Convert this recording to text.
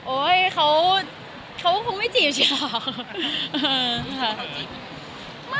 โอ้ยเขาคงไม่จีบใช่เปล่า